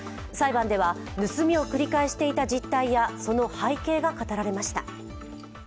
裁判では盗みを繰り返していた実態やその背景が語られました。